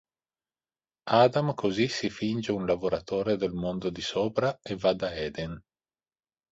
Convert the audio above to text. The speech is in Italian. Adam così si finge un lavoratore del mondo di Sopra e va da Eden.